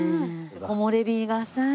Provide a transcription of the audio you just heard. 木漏れ日がさあ。